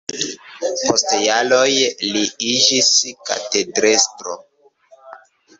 Post jaroj li iĝis katedrestro.